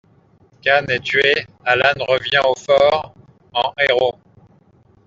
Khan est tué, Alan revient au fort en héros.